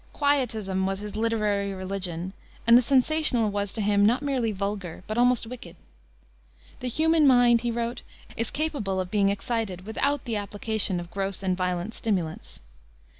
Quietism was his literary religion, and the sensational was to him not merely vulgar, but almost wicked. "The human mind," he wrote, "is capable of being excited without the application of gross and violent stimulants."